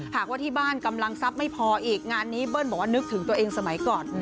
หากว่าที่บ้านกำลังทรัพย์ไม่พออีกงานนี้เบิ้ลบอกว่านึกถึงตัวเองสมัยก่อน